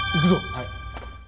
はい。